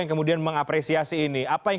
yang kemudian mengapresiasi ini apa yang